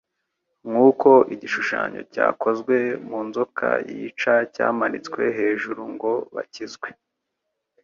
Nkuko igishushanyo cyakozwe mu nzoka yica cyamanitswe hejuru ngo bakizwe